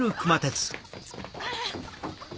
あっ！